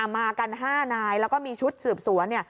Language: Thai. มากัน๕นายแล้วก็มีชุดสืบสวนเนี่ย